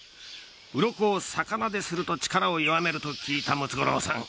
うろこを逆撫ですると力を弱めると聞いたムツゴロウさん。